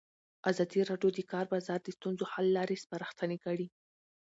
ازادي راډیو د د کار بازار د ستونزو حل لارې سپارښتنې کړي.